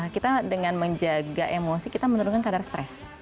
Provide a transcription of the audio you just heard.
kita dengan menjaga emosi kita menurunkan kadar stres